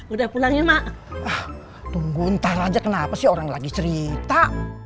udah pulangin mak tunggu entar aja kenapa sih orang lagi cerita